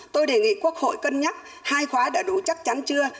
tôi đề nghị quốc hội cân nhắc hai khóa đã đủ chắc chắn chưa